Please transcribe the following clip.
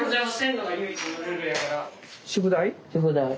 宿題。